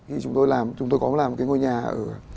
khi chúng tôi làm chúng tôi có làm cái ngôi nhà ở